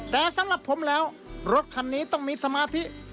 แต่สำหรับผมแล้วรถคันนี้ต้องมีสมาธิ